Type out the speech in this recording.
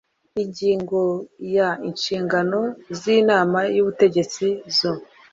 ingingo ya inshingano z inama y ubutegetsi zo